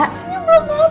kuenya belum habis sustar